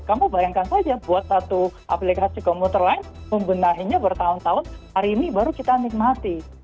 kamu bayangkan saja buat satu aplikasi komuter lain membenahinya bertahun tahun hari ini baru kita nikmati